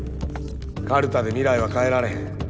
カルタで未来は変えられへん。